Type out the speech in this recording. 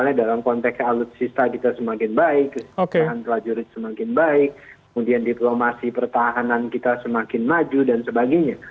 misalnya dalam konteks alutsista kita semakin baik kesejahteraan prajurit semakin baik kemudian diplomasi pertahanan kita semakin maju dan sebagainya